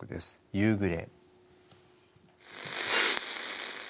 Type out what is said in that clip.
「夕暮れ」。